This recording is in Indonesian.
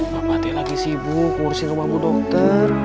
bapak bapak lagi sibuk urusin rumah buah dokter